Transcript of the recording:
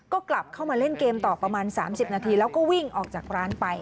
ก็กลับเข้ามาเล่นเกมต่อประมาณ๓๐นาทีแล้วก็วิ่งออกจากร้านไป